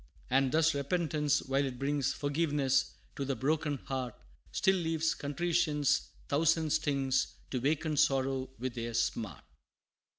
And thus, repentance, while it brings Forgiveness to the broken heart, Still leaves contrition's thousand stings To waken sorrow with their smart.